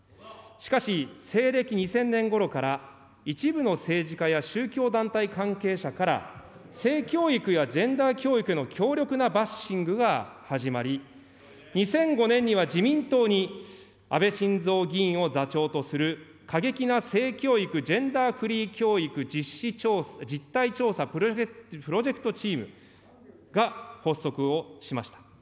しかし、西暦２０００年ごろから、一部の政治家や宗教団体関係者から、性教育やジェンダー教育への強力なバッシングが始まり、２００５年には自民党に安倍晋三議員を座長とする、過激な性教育・ジェンダーフリー教育実態調査プロジェクトチームが発足をしました。